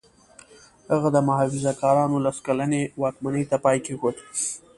هغه د محافظه کارانو لس کلنې واکمنۍ ته پای کېښود.